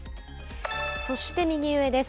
そして右上です。